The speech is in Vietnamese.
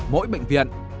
mỗi bệnh viện